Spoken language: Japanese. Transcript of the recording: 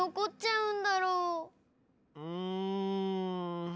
うん。